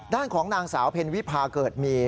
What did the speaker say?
ด้านของนางสาวเพ็ญวิพาเกิดมี